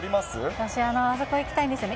私、あそこ行きたいんですよね。